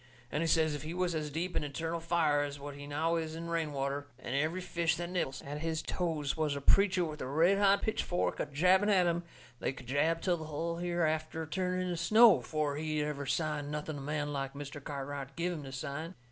And he says if he was as deep in eternal fire as what he now is in rain water, and every fish that nibbles at his toes was a preacher with a red hot pitchfork a jabbing at him, they could jab till the hull hereafter turned into snow afore he'd ever sign nothing a man like Mr. Cartwright give him to sign.